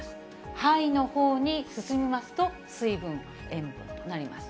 はいのほうに進みますと、水分、塩分となります。